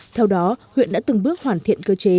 theo đó huyện đã từng bước hoàn thiện cơ chế